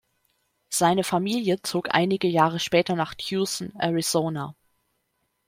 Seine Familie zog einige Jahre später nach Tucson, Arizona.